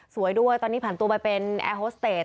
สวยด้วยตอนนี้ผ่านตัวไปเป็นแอร์โฮสเตจ